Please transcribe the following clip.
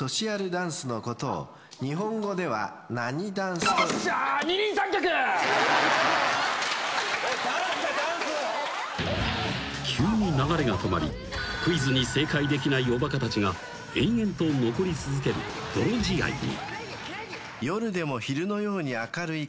［しかし］「ダンスだダンス」「アホ」［急に流れが止まりクイズに正解できないおバカたちが延々と残り続ける泥仕合に］